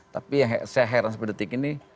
tapi yang saya heran sepedetik ini